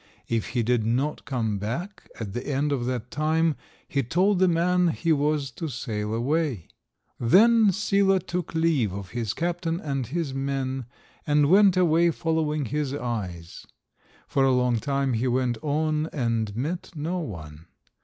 If he did not come back at the end of that time, he told the man he was to sail away. Then Sila took leave of his captain and his men, and went away following his eyes. For a long time he went on and met no one.